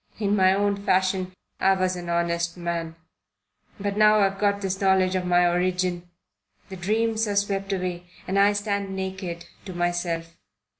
In my own fashion I was an honest man. But now I've got this knowledge of my origin, the dreams are swept away and I stand naked to myself.